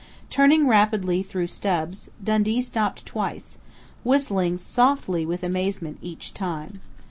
Turning rapidly through stubs, Dundee stopped twice, whistling softly with amazement each time.